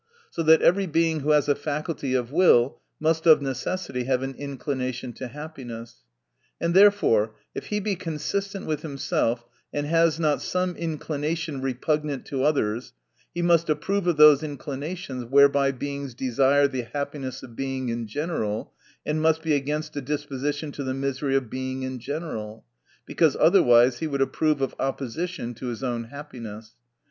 So that every Being who has a faculty of will must of necessity have an inclination to happiness And therefore, if he be consistent with himself, and has not some inclinations repugnant to others, he must approve of those inclinations whereby Beings desire the happiness of Being in general, and must be against a disposition to the misery of Being in general : because otherwise he would approve of opposition to his own happiness.